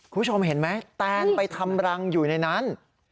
คุณผู้ชมเห็นไหมแตนไปทำรังอยู่ในนั้น